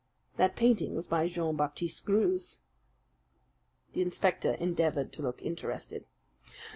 "That painting was by Jean Baptiste Greuze." The inspector endeavoured to look interested.